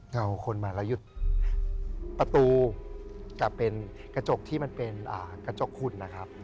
เอาคนมาแล้วหยุดประตูจะเป็นกระจกที่มันเป็นกระจกคุณนะครับ